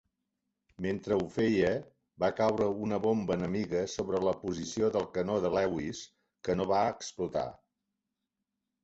Mentre ho feia, va caure una bomba enemiga sobre la posició del canó de Lewis que no va explotar.